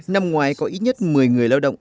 năm ngoái có ít nhất một mươi người lao động